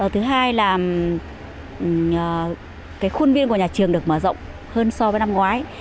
thứ hai là khuôn viên của nhà trường được mở rộng hơn so với năm ngoái